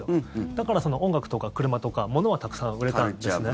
だから、音楽とか車とか物はたくさん売れたんですね。